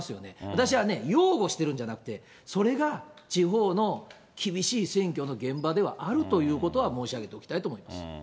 私はね、擁護してるんじゃなくて、それが地方の厳しい選挙の現場ではあるということは申し上げておきたいと思います。